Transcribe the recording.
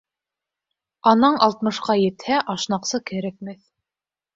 Анаң алтмышҡа етһә, ашнаҡсы кәрәкмәҫ.